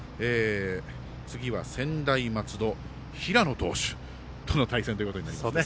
次は専大松戸、平野投手との対戦ということになりますね。